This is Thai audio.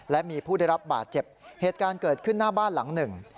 และมีผู้ได้รับบาดเจ็บเหตุการณ์เกิดขึ้นหน้าบ้านหลังหนึ่ง